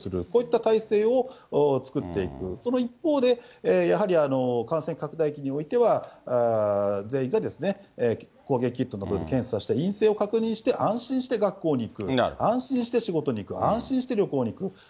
こういった体制を作っていく、その一方で、やはり感染拡大期においては、全員が抗原キットのような検査して、陰性を確認して、安心して学校に行く、安心して仕事に行く、安心して旅行に行く。